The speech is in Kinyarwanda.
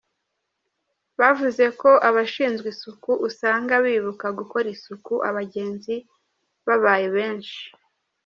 Bavuze ko abashinzwe isuku usanga bibuka gukora isuku abagenzi babaye benshi.